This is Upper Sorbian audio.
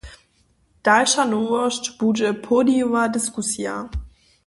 Dalša nowosć budźe podijowa diskusija.